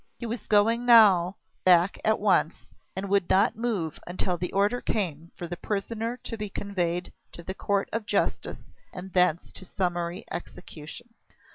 He was going back now at once, and would not move until the order came for the prisoner to be conveyed to the Court of Justice and thence to summary execution.